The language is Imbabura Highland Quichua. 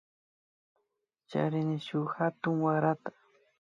Charini shuk hatun warata